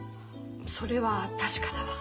それは確かだわ。